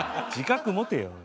自覚持てよ。